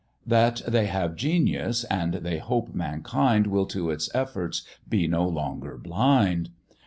That they have genius, and they hope mankind Will to its efforts be no longer blind.